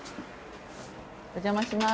お邪魔します。